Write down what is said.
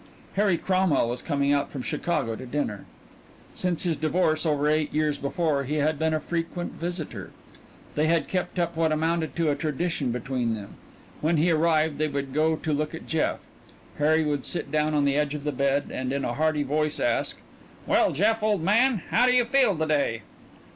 Harry Cromwell was coming out from Chicago to dinner. Since his divorce over eight years before he had been a frequent visitor. They had kept up what amounted to a tradition between them: when he arrived they would go to look at Jeff; Harry would sit down on the edge of the bed and in a hearty voice ask: "Well, Jeff, old man, how do you feel to day?"